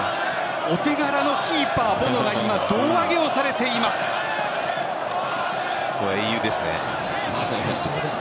お手柄のキーパー・ボノが今、胴上げをされています。